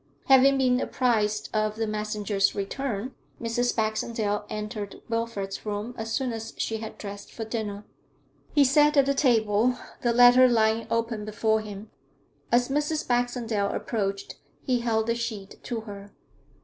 Having been apprised of the messenger's return, Mrs. Baxendale entered Wilfrid's room as soon as she had dressed for dinner. He sat at the table, the letter lying open before him. As Mrs. Baxendale approached, he held the sheet to her.